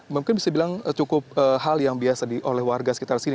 mungkin bisa dibilang cukup hal yang biasa oleh warga sekitar sini